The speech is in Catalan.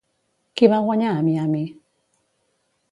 Qui va guanyar a Miami?